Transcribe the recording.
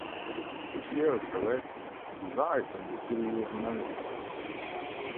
Pierre Perret resides in the city of Nangis.